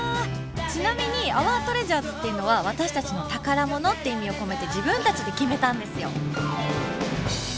ちなみに「アワートレジャーズ」っていうのは「私たちの宝物」って意味を込めて自分たちで決めたんですよ。